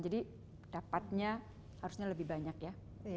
jadi dapatnya harusnya lebih banyak ya